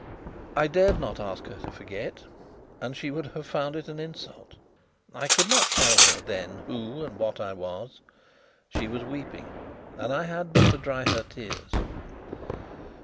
I dared not ask her to forget, she would have found it an insult. I could not tell her then who and what I was. She was weeping, and I had but to dry her tears.